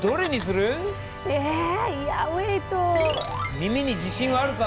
耳に自信はあるか？